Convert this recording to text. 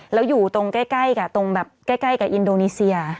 แล้วอยู่ตรงใกล้กับตรงแบบใกล้กับอินโดนีเซีย